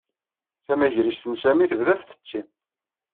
Tamagrist n Sami tebda tfessi.